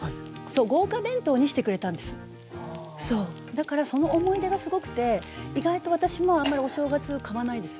だからその思い出がすごくて意外と私もあまりお正月買わないです。